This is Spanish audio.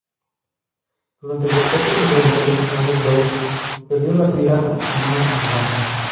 Durante el rescate, el voluntario Albert Dow perdió la vida en una avalancha.